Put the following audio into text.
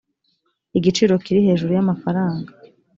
igiciro kiri hejuru y amafaranga